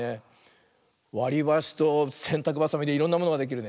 わりばしとせんたくばさみでいろんなものができるね。